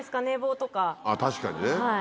確かにね。